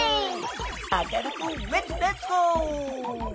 あかるくレッツレッツゴー！